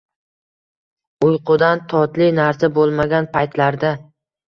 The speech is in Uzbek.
uyqudan totli narsa bo'lmagan paytlarda